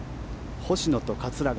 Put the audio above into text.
星野と桂川。